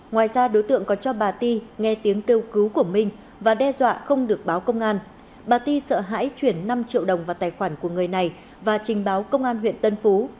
ngoài ra đối tượng còn cho bà ti nghe tiếng kêu cứu của minh và đe dọa không được báo công an bà t sợ hãi chuyển năm triệu đồng vào tài khoản của người này và trình báo công an huyện tân phú